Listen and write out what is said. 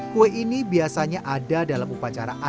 kue ini biasanya ada dalam upacara adat